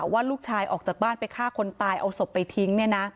ว่าลูกชายออกจากบ้านไปฆ่าคนตายเอาศพไปทิ้ง